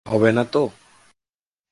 হবে না তো?